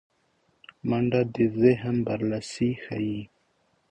منډه د ذهن برلاسی ښيي